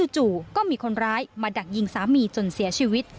จู่ก็มีคนร้ายมาดักยิงสามีจนเสียชีวิต